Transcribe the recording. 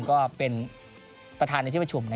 ก็เป็นประธานในที่ประชุม